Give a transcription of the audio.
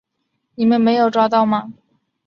你们没有抓到吗？